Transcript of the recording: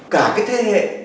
cả cái thế hệ